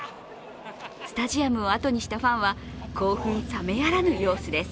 スタジアムをあとにしたファンは興奮冷めやらぬ様子です。